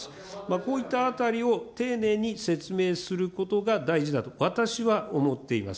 こういったあたりを丁寧に説明することが大事だと、私は思っています。